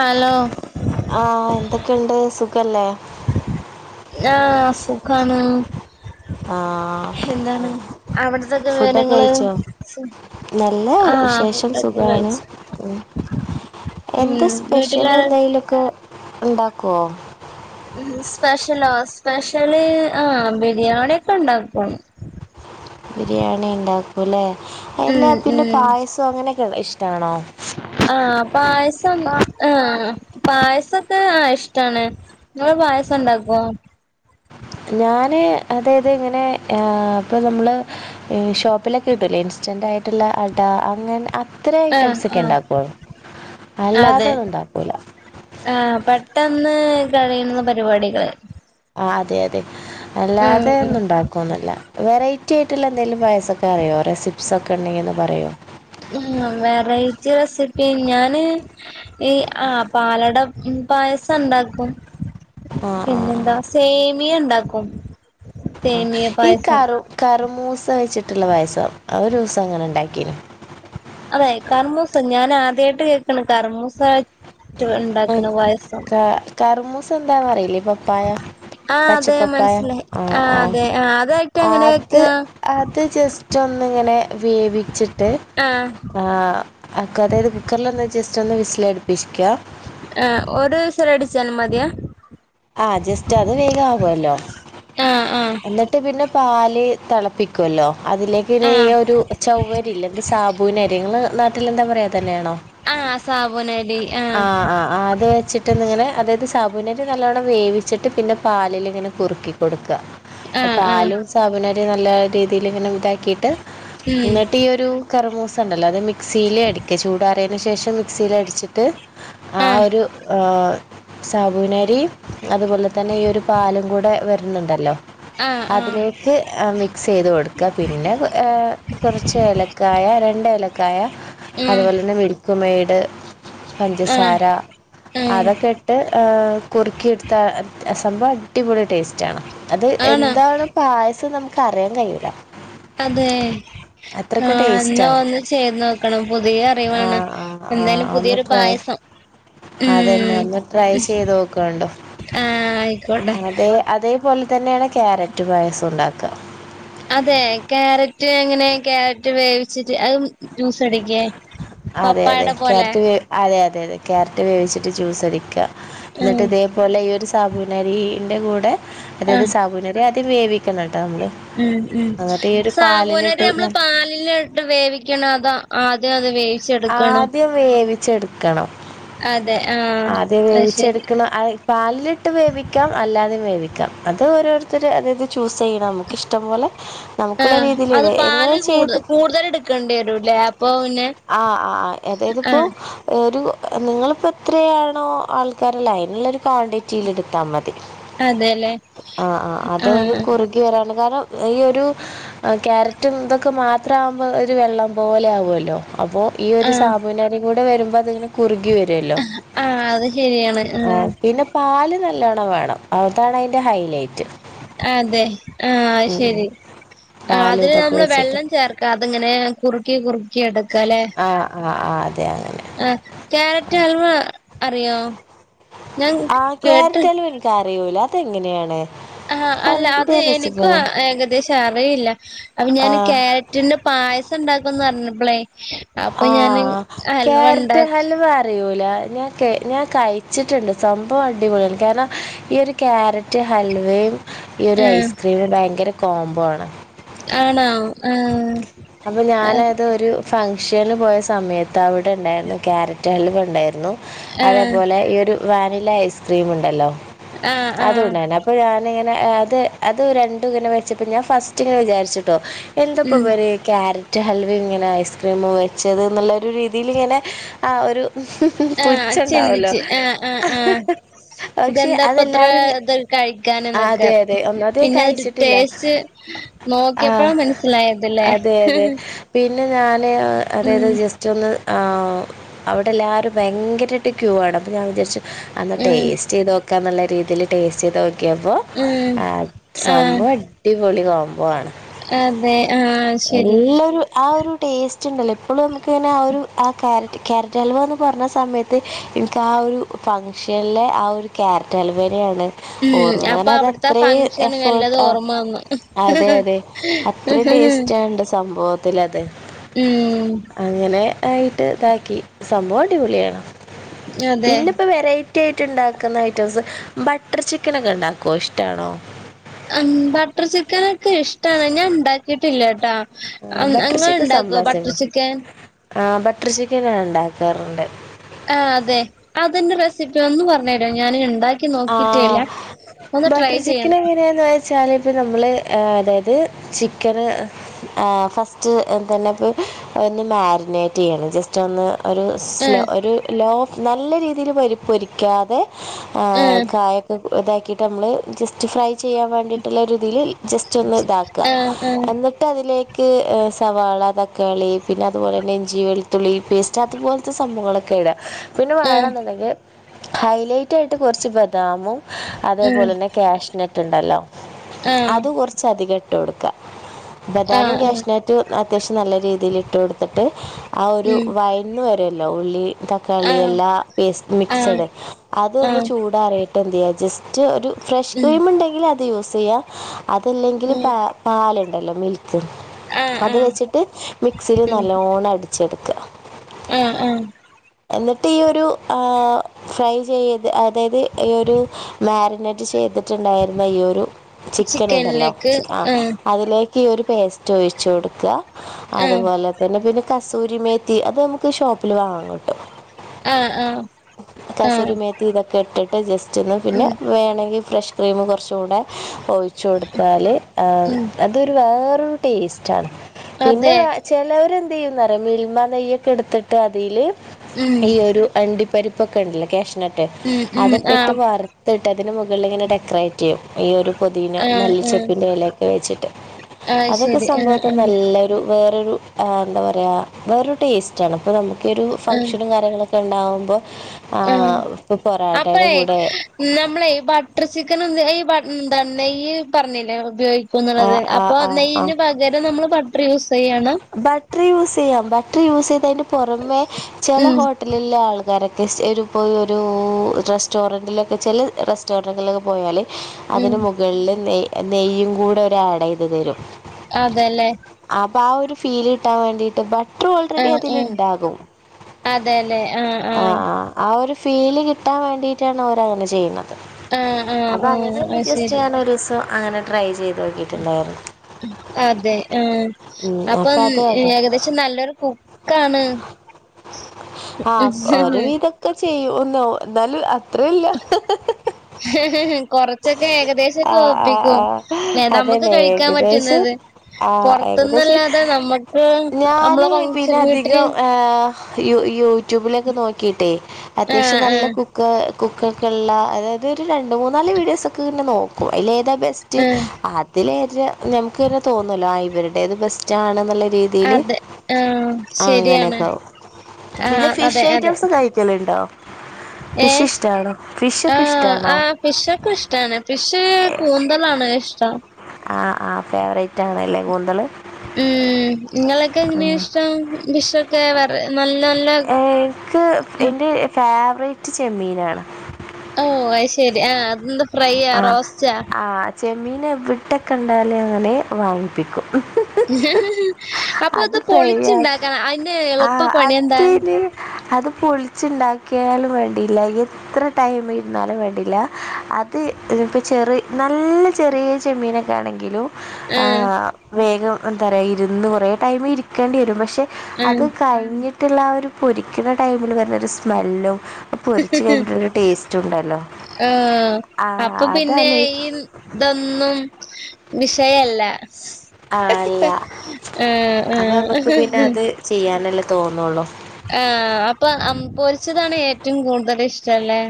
Hello ആഹ്‌ എന്തക്കെണ്ട് സുഖല്ലേ? ഞാ സുഖാണ്. ആഹ്‌ എന്താണ് അവിടത്തൊക്കെ ഫുഡൊക്കെ വിവരങ്ങള് കഴിച്ചോ? നല്ല ആഹ് വിശേഷം ഫുഡൊക്കെ സുഖവാണ് കഴിച്ചു മ്. ഉം എന്ത് സ്പെഷ്യൽ വീട്ടിലാര എന്തായലൊക്കെ ഉണ്ടാക്കുവോ സ്പെഷ്യലോ സ്പെഷ്യല് ആ ബിരിയാണിയൊക്കെ ഉണ്ടാക്കും ബിരിയാണി ഉണ്ടാക്കൂല്ലേ അല്ല ഉം പിന്നെ ഉം പായസം അങ്ങനെയൊക്കെ ഇഷ്ടമാണോ? ആ പായസം ആ പായസൊക്കെ ആ ഇഷ്ട്ടാണ്. ങ്ങള് മായസണ്ടാക്കോ? ഞാന് അതായത് ഇങ്ങനെ ഏ ഇപ്പോ നമ്മള് ഈ ഷോപ്പിലൊക്കെ കിട്ടൂലേ ഇൻസ്റ്റന്റ് ആയിട്ടുള്ള അട അങ്ങനെ അ ഇത്ര ആഹ് ഐറ്റംസ് ഒക്കെ ആഹ് ഉണ്ടാക്കുള്ളൂ അല്ലാതെ ഒന്നുണ്ടാക്കൂല ആഹ്‌ പെട്ടെന്ന് കളിയുന്ന പരിപാടികള് ആ അതെ അതെ ഉം അല്ലാതെ ഉം ഒന്നും ഉണ്ടാക്കുന്നുല്ല വെറൈറ്റി ആയിട്ടുള്ള എന്തെങ്കിലും പായസൊക്ക അറിയോ റെസിപ്സ് ഒക്കെ ഉണ്ടെങ്കിൽന്ന് പറയോ ഉം വെറൈറ്റി റെസിപ്പി ഞാന് ഈ ആ പാലട പായസം ഉണ്ടാക്കും ആ ആ പിന്നെന്താ ആ സേമിയ ഉണ്ടാക്കും ആ സേമിയം ഈ കറു കറുമൂസ വെച്ചിട്ട്ള്ള പായസം അത് ഒരൂസം അങ്ങനെ ഇണ്ടാക്കീനു അതെ കറ്മൂസ ഞാൻ ആദ്യായിട്ട് കേക്കാണ് കറ്മൂസായിട്ട് ഉം. ഉണ്ടാക്ക്ണ പായസം ക- കറുമൂസ എന്താന്ന് അറിയില്ലേ പപ്പായ പച്ചപ്പപ്പായ ആഹ് ആഹ് ആഹ് അതാ അത് അത് ജസ്‌റ്റൊന്ന്ങ്ങനെ വേവിച്ചിട്ട് ആ ആ അക്കൊതായത് കുക്കലൊന്ന് ജസ്റ്റ് ഒന്ന് വിസിലടിപ്പിശ്ക്കാ ആ ഒരു വിസിലടിച്ചാൽ മതിയാ ആ ജസ്റ്റ് അത് വേഗാവോല്ലോ ആ ആ എന്നിട്ട് പിന്നെ പാല് തെളപ്പി ക്കൊല്ലോ അതിലേക്ക്ന്നെ ആ ഈയൊരു ചവ്വരില്ലേ എന്ത് സാബുനരി ഇങ്ങള് നാ വീട്ടിലെന്താ പറയാ തന്നെയാണോ ആ സാബൂനരി ആ അത് വെച്ച് ട്ട്ങ്ങനെ അതായത് സാബുനരി നല്ലവണ്ണം വേവിച്ചിട്ട് പിന്നെ പാലിൽ ഇങ്ങനെ കുറുക്കിക്കൊടുക്കാ. ആ ആ പാലും സാബൂനരി നല്ല രീതിൽ ഇങ്ങനെ ഇതാക്കിട്ട് ഉം ഇന്നിട്ട് ഈ ഒരു കറമൂസ ഉണ്ടല്ലോ അത് മിക്സിയില് അടിക്ക ചൂടാറിയന് ശേഷം മിക്സീല് അടിച്ചിട്ട് ആ ഒരു ഏ സാബുന ഈ അതുപോലെ തന്നെ ഈ ഒരു പാലും കൂടെ വരുന്ന്ണ്ടല്ലോ ആഹ് അതിലേക്ക് ഏ മിക്സ് ചെയ്ത് കൊടുക്ക പിന്നെ ഏഹ് കൊറച്ച് ഏലക്കായ രണ്ട് ഏലക്കായ ഉം അതുപോലെന്നെ മിൽക്ക്മേഡ് ആ പഞ്ചസാര ഏഹ് അതൊക്കെ ഇട്ട് ഏഹ് കുറുക്കിട്ത്താ അത് സംഭവം അടിപൊളി ടേസ്റ്റാണ് അത് ആണോ എന്താണ് പായസം നമുക്ക് അറിയാൻ കയ്യൂല അതെ ആ ഇന്നാ ടേസ്റ്റാണ് ഒന്ന് ചെയ്ത് നോക്കണം പുതിയ ആ അറിവാണ് ആ ആ എന്തായാലും ഒന്ന് പുതിയൊരു ട്രൈ പായസം ഉം അതന്നെ ഒന്ന് ട്രൈ ചെയ്ത് നോക്കുന്നുണ്ടോ ആഹ് അയ്ക്കോട്ടെ അതേ അതേപോലെ തന്നേണ് ക്യാരറ്റ് പായസം ഉണ്ടാക്ക അതെ ക്യാരറ്റ് എങ്ങനെ ക്യാരറ്റ് വേവിച്ചിട്ട് അത് ജ്യൂസ് അടിക്കേ? അതെ അതെ പപ്പായടെ പോലെ ക്യാരറ്റ് വേ അതെ അതെ അതെ ക്യാരറ്റ് വേവിച്ചിട്ട് ജ്യൂസടിക്ക ഇന്ന്ട്ട് ഉം ഇതേ പോലെ ഈ ഒരു സാബൂനരിന്റെ കൂടെ അതായത് ആഹ് സാബൂനരി ആദ്യം വേവിക്കണ ഉം ഉം സാവോനരി പാലിലിട്ട് ന നമ്മള് പാലില് ട്ട് വേവിക്കണോ അതാ ആദ്യം അത് വേവിച്ചെടുക്കണം വേവിച്ചെട്ക്കണം അതെ ആഹ് ആദ്യം അത് ശരി വേവിച്ചെട്ക്ക്ണ അഹ് പാലിട്ട് വേവിക്കാം അല്ലാതി വേവിക്കാം അത് ഓരോരു ത്തര് അതായത് ചൂസ് ചെയ്യണം നമുക്ക് ഇഷ്ടം പോലെ നമുക്കുള്ള രീതീല് ഇത് എങ്ങനെ ചീത് കൂടുതല്ട് ക്കണ്ടിയേരൂലേ അപ്പൊ വ്ന്നെ ആഹ് ആഹ് എതായത്പ്പോ ഒരു നിങ്ങളിപ്പോ എത്രയാണോ ആൾക്കാര് ഇള്ളെ അയ്ന്ള്ളൊരു ക്വാണ്ടിറ്റീല് ഇട്ത്താ മതി അതെല്ലേ ആഹ് ആഹ് അതയ്ന് ആഹ് കുറുകി വരാണ്ട് കാരണം ഈ ഒരു ആ ക്യാരറ്റും ഇതൊക്കെ മാത്രം ആവുമ്പോ ഒരു വെള്ളം പോലെ ആവൊല്ലോ അപ്പൊ ഈ ഒരു ആഹ് സാബുനരിം കൂടെ വരുമ്പോ അത്ങ്ങനെ കുറുകി വരൊല്ലോ ആഹ് അത് ശരിയാണ് ഏഹ് ആഹ് പിന്നെ പാല് നല്ലോണം വേണം അതാണ് അയ്ൻ്റെ ഹൈലൈറ്റ് അതെ ആഹ് അത് ഉം ഉം. ശരി ആ പാലും അതില് ഇതൊക്കെ നമ്മള് വെച്ചിട്ട് വെള്ളം ചേർ ക്കാതെങ്ങനെ കുറുക്കി കുറുക്കി എടുക്കലേ ആഹ് ആഹ് ആഹ് അതെ അങ്ങനെ ആഹ് ക്യാരറ്റ് ഹൽവ അറിയോ ഞാൻ ആഹ് കേട്ട് ക്യാരറ്റ് അലുവ എനിക്ക് അറിയൂല അതെങ്ങനെയാണ് ആഹ് അല്ല അത് അതിന്റെ റെസിപ്പി എനിക്കും പറ ഏകദേശം അറിയില്ല അപ്പ ഞാൻ ആഹ് ക്യാര റ്റിന്റെ പായസം ഉണ്ടാക്കുംന്ന് പറഞ്ഞപ്പളെ ആഹ് ക്യാരറ്റ് ഹൽവ അറിയൂല ഞാൻ ഞാൻ കഴിച്ചിട്ടുണ്ട് സംഭവം അടിപൊളിയാണ് കാരണം ഈ ഒരു ക്യാരറ്റ് ഹൽവയും ഈ ഒരു ആഹ് ഐസ്ക്രീമും ഭയങ്കര കോംബോണ് ആണോ ആഹ് അപ്പൊ ഞാനത് ഒരു ഫംഗഷന് പോയ സമയത്ത് തവിടെ ഉണ്ടായിരുന്നു ക്യരറ്റ് ഹലുവാ ഉണ്ടായിരുന്നു ആഹ് അതേപോലെ ഈ ഒരു വാനില ഐസ് ക്രീം ഉണ്ടല്ലോ ആഹ് അത് ആഹ് ഉണ്ടാർന്നു അപ്പൊ ഞാനിങ്ങനെ അത് അത് രണ്ടു ഇങ്ങനെ വെച്ചപ്പോ ഞാൻ ഫസ്റ്റ് ഇങ്ങനെ വിചാരിച്ചിട്ടോ ഉം എന്താപ്പോവര് ക്യാരറ്റ് ഹൽവ ഇങ്ങനെ ഐസ്ക്രീമ വെച്ചത് എന്നുള്ളൊരു രീതിൽ ഇങ്ങനെ ആ ഒരു ആഹ് പുച്ഛ ണ്ടാവൊലോ ചിന്തിച്ച് ആഹ് ആഹ് ആഹ് പക്ഷെ ഇതെന്താപ്പത്ര അതെല്ലാവരും ഇത് കഴിക്കാനെന്നൊക്കെ അതെ അതെ ഒന്നാത് ഞാൻ പിന്നെ ഒരു കഴിച്ചിട്ടില്ല ടേസ്റ്റ് നോക്കിയപ്പോഴാ ആഹ് മനസ്സിലായതല്ലേ അതെ അതെ പിന്നെ ഞാന് അതായത് ഉം ജസ് എനിക്ക് തോന്ന് അവിടെ എല്ലാവരും ഭയങ്കരമായിട്ട് ക്യൂ ആണ് അപ്പം ഞാൻ വിചാരിച്ച് അന്ന്ട്ടേ ഉം ടേസ്റ്റ് ചെയ്ത് നോക്കാന്നുള്ള രീതിയിൽ ടേസ്റ്റ് ചെയ്ത് നോക്കിയപ്പോ ഉം ആഹ് ആഹ് സംഭവം അടിപൊളി കൊമ്പോ ആണ് അതെ ആഹ് ശരി എല്ലാരും ആ ഒരു ടേസ്റ്റ് ഉണ്ടല്ലോ ഇപ്പോളും നമുക്കിങ്ങനെ ആ ഒരു ആ ക്യറ്റ് ക്യാരറ്റ് അലുവാന്ന് പറഞ്ഞ സമയ ത്ത് എനിക്ക് ആ ഒരു ഫങ്ഷനിലെ ആ ഒരു ക്യാരറ്റ് അലുവേനയാണ് ഉം ഓർമ്മ അപ്പൊ അത് അവിടുത്തെ അത്ര ഫങ്ഷനും എഫേർട്ട് എല്ലതും ആഹ് ഓർമ്മ വന്നു അതെ അതെ അത്രയും ടേസ്റ്റ് ഉണ്ട് സംഭവത്തിൽ അത് ഉം അങ്ങനെ ആയിട്ട് ഇതാക്കി സംഭവം അടിപൊളിയാണ് അതെ പിന്നെ ഇപ്പോ വെറേ റ്റിയായിട്ട് ഉണ്ടാക്കുന്ന ഐറ്റംസ് ബട്ടർ ചിക്കൻ ഒക്കെ ഉണ്ടാക്കുവോ ഇഷ്ടാണോ ബട്ടർ ചിക്കനക്കെ ഇഷ്ടാണ് ഞാൻ ഉണ്ടാക്കിട്ടില്ലട്ടോ ആ നി ബട്ടർ നിങ്ങൾ ഉണ്ടാക്കോ ബട്ടർ ചിക്കൻ ആഹ് ബട്ടർ ചിക്കൻ ഞാൻ ഉണ്ടാക്കാറുണ്ട് ആഹ് അതെ അതിന്റെ റെസിപ്പി ഒന്ന് പറഞ്ഞരുവോ ഞാൻ ഉണ്ടാ ആഹ് ബട്ടർ ചിക്കൻ ചെയ്യണം ഏങ്ങനെയാണ് വേ വെച്ചാല് ഇപ്പ നമ്മള് അതായത് ചിക്കന് ആഹ് ഫസ്റ്റ് എന്താന്ന്‌പ്പോ ഒന്ന് മാരിനേറ്റ് ചെയ്യണം ജസ്റ്റ് ഒന്ന് ഒരു സ്ലോ ആഹ് ഒരു ലോ നല്ല രീതിയിൽ പൊരി പൊരിക്കാതെ ആഹ് കായ ഇതാക്കിട്ട് നമ്മള് ജസ്റ്റ് ഫ്രൈ ചെയ്യാൻ വേണ്ടിട്ടുള്ളതിൽ ജസ്റ്റ് ഒന്ന് ഇതാക്ക ആഹ് എന്നി ട്ട് അതിലേക്ക് സവാള തക്കാളി പിന്നെ അതുപോലെ തന്നെ ഇഞ്ചി വെളുത്തുള്ളി പേസ്‌ ച്ചാ അത് പോലത്തെ സംഭവങ്ങളൊക്കെ ഇടാ പിന്നെ ആഹ് വേണെന്നോണ്ടെങ്കി ഹൈലൈറ്റ് ആയിട്ട് കൊറച്ച് ബദാമും അതേപോലെ തന്നെ ക്യാഷ്നെട്ട് ഇണ്ടല്ലോ ആഹ് അത് കൊറച്ച് അധികം ഇട്ട് കൊട്ക്ക്യാ ബെദാമും ആഹ് ക്യാഷ്നോട്ടും അത്യാവശ്യം നല്ലാ രീതില് ഇട്ട് കൊടുത്തിട്ട് ആഹ് ഒരു വെയന്നന്ന് വേരു അല്ലോ ഉള്ളി, ആഹ് ആഹ് ആഹ് ഉം തക്കാളി ആഹ് എല്ലാ പേസ്റ്റ് ആഹ് മിക്സഡ് അതൊന്ന് ആഹ് ചൂടാറിട്ട് എന്ത് ചെയ്യാ ജസ്റ്റ് ഒരു ഫ്രഷ് ഉം ക്രീം ഇണ്ടാങ്കി അത് യൂസ് ചെയ്യാം അതാല്ലാങ്കില് പ ഉം പാല് ഇണ്ടല്ലോ മിൽക്ക് ആഹ് അത് ആഹ് വെച്ചിട്ട് മിക്സിയില് ഉം നല്ലോണ്ണം അടിച്ചെട്ക്ക്യാ ആഹ് ആഹ് എന്നിട്ട് ഈ ഒരു ആഹ് ഫ്രൈ ചെയ്ത് ആ അതായത് ഈ ഒരു മാരിനേറ്റ് ചെയ്ത് ഇണ്ടായിരുന്നാ ഈ ഒരു ചിക്കൻ ഇണ്ടല്ലോ ആഹ് അതിലേക്ക് ഈ ഒര് പേസ്റ്റ് ഒഴിച്ച് കൊടുക്ക്യാ ആഹ് അതുപോലെ [unintelligible] പിന്നെ കസൂരി മേത്തി അത് നമ്മക്ക് ഷോപ്പില് വാങ്ങാൻ കിട്ടും ആഹ് ആഹ് ആഹ് ക്കെ ഇട്ടിട്ട് ജസ്റ്റ് ഒന്ന് പിന്നെ ഉം വേണെങ്കി ഫ്രഷ് ക്രീം കൊറച്ചുടെ ഓയി ച്ച് കൊടുത്താല് ഉം അതൊരു വേറോര് ടേസ്റ്റ്ണ് പിന്നെ അതെ വേ ചെലവരന്ത് ചെയ്യും എന്ന് അറിയോ മിൽമാ നെയ്യൊക്കെ എടുത്തിട്ട് അതില് ഉം ഈ ഒരു- അണ്ടി പരിപ്പൊക്കെ ഇണ്ടല്ലോ ക്യാഷുനാട്ട്. ഉം ഉം അതൊക്കെ ഇട്ട് ആഹ് വറ്ത്തിട്ട് അതിന് മേകളില് ഇങ്ങനെ ഡെക്കറേറ്റ് ചെയ്യും ഈ ഒര് പോതിനേ ആഹ് ആഹ് മല്ലിച്ചപ്പിന്റെ എലേ വേച്ചിട്ട് അതൊക്കെ അയ്ശരി ആഹ് സംഭാവ ആഹ് നല്ലാ ഒരു വേറോരു ആഹ് എന്താ പറയ്യാ വേറോരു ടേസ്റ്റ് അന്ന് അപ്പൊ നമ്മക്ക് ഒരു ആഹ് ഫങ്ക്ഷനും കാര്യങ്ങളും ക്കെ ഇണ്ടാവ്മ്പോ ആഹ് അപ്പാഴേ നമ്മളെ ഈ ബട്ടർ ചിക്കൻ ഈ ബ എന്താന്ന് നെയ്യ് പറഞ്ഞില്ലേ ഉപയോഗ ന്ന് ആ ഒള്ളത് ആ അപ്പൊ ആ ആ നെയ്യന് പകരം നമ്മള് ബട്ടറ് യൂസ് ചെയ്യാണ്. ബട്ടറ് യൂസ് ചെയ്യാം ബട്ടറ് യൂസ് ചെയ്താ അതിൻ്റ പോറമേ ചെല ഉം ഹോട്ടാ ല്ള്ളോ ആൾക്കാരൊക്കെ സ് ഒരു പോയി ഒരു റെസ്റ്റോറൻറ്റിലൊക്കെ ചെല റെസ്റ്റോറൻറ്റിലൊക്കെ പോയാല് ഉം അതിന് മുകളില് നെയ് നെയ്യും കൂടെ അവര് ആഡ് ചെയ്ത് തേരും. അതെല്ലേ അപ്പൊ ആഹ് ഒര് ഫീല് കിട്ടാൻ വേണ്ടിട്ട് ഇപ്പാ റ്റു ഓൾറെഡി ആഹ് അതില് ആഹ് ഇണ്ടാകും ആഹ് ആഹ് ആഹ് ഒര് ഫീല് കിട്ടാൻ വേണ്ടിയിട്ടാണ് അവര് അങ്ങനെ ചെയ്യ്ന്ന ആഹ് ആഹ് അപ്പൊ അങ്ങനെയ ആഹ് ഒന്ന് അത് ജസ്റ്റ് ശരി ഞാൻ ഒര് ദിസം അങ്ങനെ ട്രൈ ചെയ്ത്ക്കി. അതെ ആഹ് അപ്പൊ അപ്പോൾ അത് അടി [unintelligible] ഏകദേശം നല്ലൊര് കുക്കാണ് ആഹ് ഒര് വിതൊക്കെ ചെയ്യും ഒന്ന് എന്നാലും അത്രയും ഇല്ല്യാ കൊറച്ചൊക്കെ ആ ഏകദേശക്കെ ആ ഒപ്പിക്കും ആ നമ്മക്ക് അതുതന്നെ കഴിക്കാൻ ഏകദേശം പറ്റ്ന്നാത്- ആ ഏകദേശം പൊറത്തൊന്നല്ലാതെ നമ്മക്ക് നമ്മളെ ഞാന് പിന്നെ [unintelligible] അധികം വീട്ടില്- ഏഹ് യൂ യൂട്യൂബിലൊക്കെ നോക്കിട്ടെ അത്യാവശ്യം ആഹ് നല്ലാ ആഹ് കു ക്കാ കുക്കാക്കോള്ള അതാ അത് ഒര് രണ്ട് മൂന്നാല് വീഡിയോസ് ഒക്കെന്നെ നോക്കും അയില് ഏതാ ബെസ്റ്റ് ആഹ് ആ ഇതിലേ ഏജ് ഞമ്മക്ക്ന്നെ തോന്നല്ലോ ഇവരുടേത് ബെസ്റ്റ് ആണ്ന്നൊള്ള രീതി- ഇതില് അതെ ആഹ് ശരിയാണ് അങ്ങനെയൊക്കും. പിന്നെ ആഹ് അതെ ഫിഷ് അതെ ഐറ്റംസ് കയിക്ക്യാലണ്ടോ? ഫിഷ് ഏഹ് ഇഷ്ടാണോ ഫിഷോക്കെ ആഹ് ഇഷ്ടാണോ? ആഹ് ഫിഷൊക്കെ ഇഷ്ടമാണ് ഫിഷ് കൂന്തലാണ് ഇഷ്ടം. ആഹ് ആഹ് ഫേവറേറ്റ് ആണ് അല്ലേ കുന്തല്. ഉം നിങ്ങളൊക്കെ എങ്ങനെയ ഇഷ്ടം ഫിഷോക്കെ വേറെ നല്ലാ നല്ലാ എക്ക് എൻ്റെ ഫോവറെറ്റ് ചെമ്മീനാണ്. ഓ അയ് ശേരി ആഹ് അത് എന്താ ഫ്രൈയാ റോസ്റ്റ്? ജെമ്മീൻ എവിടെ കണ്ടാലും ഞാൻ വാങ്ങിപ്പിക്കും. അപ്പൊ അത് ഫ്രൈ ആക്ക പൊളിച്ചുണ്ടാക്കണം അതിന് ആ എളുപ്പ പണിന്താ? അതിന് അത് പൊളിച്ചുണ്ടാക്കിയാലും വേണ്ടിയില്ല- എത്ര ടൈം ഇരുന്നാലും വേടില്ല അത്പ്പോ ചെറ നല്ല ചെറിയ ചെമ്മീനൊക്കെ ആണെങ്കിലും ആഹ് വേഗം എന്താ പറയുക ഇരുന്ന് കുറേ ടൈമ ഇരിക്കേണ്ടി വരും പക്ഷെ ആഹ് അത് കഴിഞ്ഞിട്ടുള്ള ഒരു പൊരിക്കുന്ന ടൈമില് വുന്നരു സ്മെല്ലും പൊരിച്ച് കഴിഞ്ഞിട്ടല്ല ടേസ്റ്റ് ഉണ്ടല്ലോ ആഹ് ആഹ് അപ്പൊ പിന്നെ അതല്ലേ ഈ ഇതൊന്നും വിഷയല്ല- ആ ആഹ് അല്ല അപ്പൊ നമുക്ക് ആഹ് പിന്നെ ആഹ് അത് ചെയ്യാനല്ലേ തോന്നുള്ളൂ- ആഹ് അപ്പൊ പൊരിച്ചതാണ് ഏറ്റവും കൂടുതൽ ഇഷ്ടല്ലേ?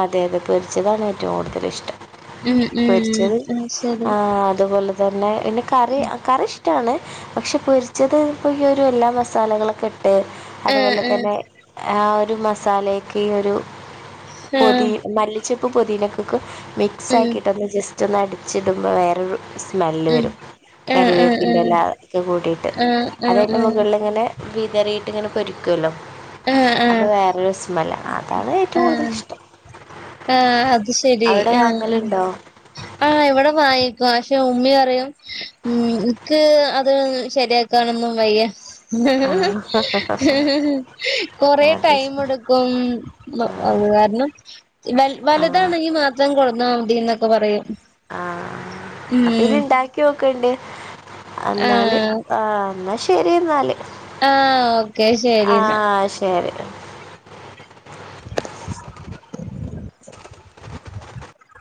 അതെ അതെ പെരിച്ചതാണ് ഏറ്റവും കൂടുതൽ ഇഷ്ടം. ഉം ഉം പൊരിച്ചത് ഉം ശരി ആഹ് അതുപോലെ തന്നെ പിന്നെ കറി കറിഷ ആണ് പക്ഷെ പൊരിച്ചത് ഇപ്പോഈ ഒരു എല്ലാ മസാലകളൊക്കെ ഇട്ട് അതുപോലെ ആഹ് തന്നെ ആഹ് ഒരു മസാലക്ക് ഈ ഒരു ആഹ് പൊതി ആഹ് മല്ലിച്ചപ്പ് പൊതിനക്ക്ക് മിക്സ് ഉം ആക്കിയിട്ട്ന്ന് ജസ്റ്റ് ഒന്ന് അടിച്ചിടുമ്പോൾ വേറൊരു സ്മെല്ല് ഉം വരും ആഹ് ആഹ് ആഹ് കറിവേപ്പിൻന്റെറല ഒക്കെ കൂടിട്ട് ആഹ് ആഹ് ആഹ് അതന്റെ മുകളിൽ ഇങ്ങനെ വിതറിട്ട് ഇങ്ങന പൊരിക്കുല്ലോ ആഹ് ആഹ് അത് വേറൊരു സ്മല്ല അതാണ് ഏറ്റോം ആഹ് കൂടുതൽിഷ്ടം ആഹ് അത് ശരി ആഹ് അഹ് വാങ്ങലുണ്ടോ ആഹ് ഇവിടെ വാങ്ങിക്കും പക്ഷെ ഉമ്മി പറയും ഉം ഇക്ക് അത് ശരിയാക്കനൊന്നും വയ്യ കൊറെ ടൈം അത് എടു ക്കും മ്മ അത് കാർണം ഇവൽ ആഹ് വലുതാണെങ്കി മാത്രം കൊട്ന്നാ മതി എന്നൊക്കെ പറയും ആഹ് അഹ് അപ്പൊ ഇത് ഉം ഇണ്ടാക്കി നോക്കണ്ട് എന്നാല് ആഹ് ആഹ് എന്നാ ശരി എന്നാല് ആഹ് ഓക്കെ ശരി എന്നാ ആഹ് തെ [unintelligible] [inaudible]